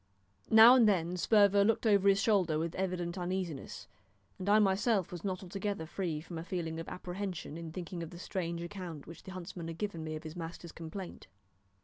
Now and then Sperver looked over his shoulder with evident uneasiness; and I myself was not altogether free from a feeling of apprehension in thinking of the strange account which the huntsman had given me of his master's complaint.